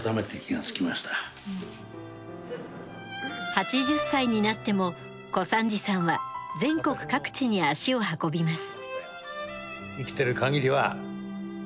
８０歳になっても小三治さんは全国各地に足を運びます。